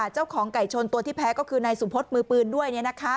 เจ้าของไก่ชนตัวที่แพ้ก็คือนายสุพธิ์มือปืนด้วย